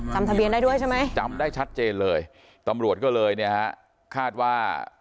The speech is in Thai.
จำทะเบียนได้ด้วยใช่ไหมจำได้ชัดเจนเลยตำรวจก็เลยเนี่ยฮะคาดว่า